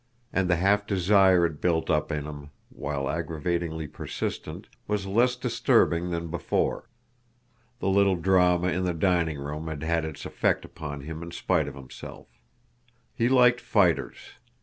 And the half desire it built up in him, while aggravatingly persistent, was less disturbing than before. The little drama in the dining room had had its effect upon him in spite of himself. He liked fighters.